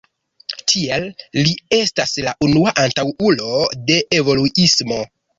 Tiel li estas la unua antaŭulo de evoluismo.